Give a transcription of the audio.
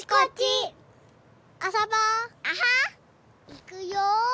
いくよ。